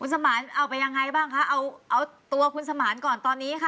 คุณสมาร์ทเอาไปยังไงบ้างคะเอาตัวคุณสมาร์ทก่อนตอนนี้ค่ะ